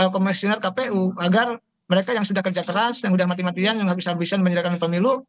komisioner kpu agar mereka yang sudah kerja keras yang sudah mati matian yang habis habisan menyediakan pemilu